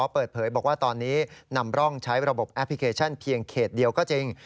เปิดเผยบอกว่าตอนนี้นำร่องใช้ระบบแอปพลิเคชันเพียงเขตเดียวก็จริง